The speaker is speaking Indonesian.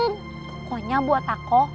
pokoknya buat aku